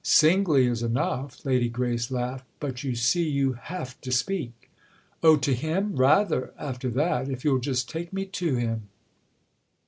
"Singly is enough!" Lady Grace laughed. "But you see you have to speak." "Oh, to him, rather, after that—if you'll just take me to him."